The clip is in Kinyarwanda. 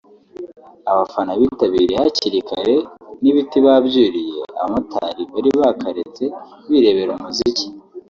Abafana bitabiriye hakiri kare n'ibiti babyuriyeAbamotari bari bakaretse birebera umuziki